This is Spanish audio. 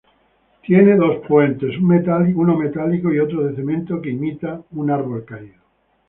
Tiene dos puentes: un metálico y otro de cemento que imita un árbol caído.